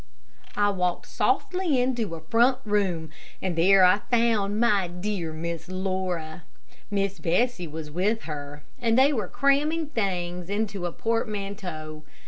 I walked softly into a front room, and there I found my dear Miss Laura. Miss Bessie was with her, and they were cramming things into a portmanteau.